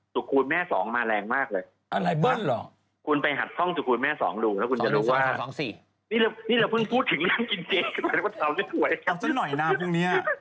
สุขุลแม่๒มาแรงมากเลย